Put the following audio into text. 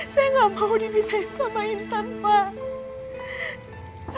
saya gak mau dipisahin sama nintan pak